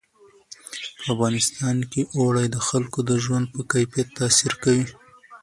په افغانستان کې اوړي د خلکو د ژوند په کیفیت تاثیر کوي.